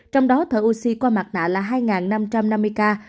trong đó thở oxy qua mặt nạ là hai năm trăm năm mươi ca